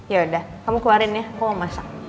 yaudah kamu keluarin ya aku mau masak